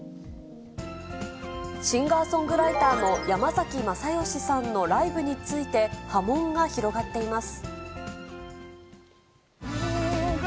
シンガーソングライターの山崎まさよしさんのライブについて、波紋が広がっています。